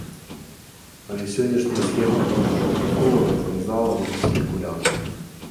Але сённяшняя схема продажу квіткоў развязала рукі спекулянтам.